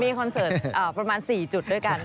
มีคอนเสิร์ตประมาณ๔จุดด้วยกัน